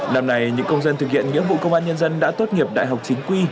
năm nay những công dân thực hiện nghĩa vụ công an nhân dân đã tốt nghiệp đại học chính quy